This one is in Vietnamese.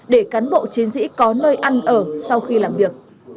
để cán bộ chiến sĩ có nơi ăn ở sau khi làm việc